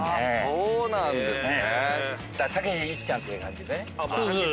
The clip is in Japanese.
そうなんですね。